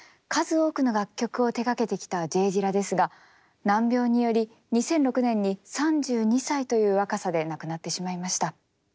数多くの楽曲を手がけてきたＪ・ディラですが難病により２００６年に３２歳という若さで亡くなってしまいました。